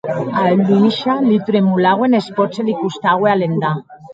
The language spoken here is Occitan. A Aliosha li tremolauen es pòts e li costaue alendar.